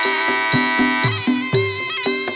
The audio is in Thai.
โชว์ที่สุดท้าย